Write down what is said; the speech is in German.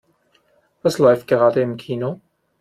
Was läuft gerade im Kino?